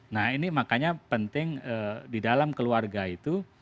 nah ini makanya penting di dalam keluarga itu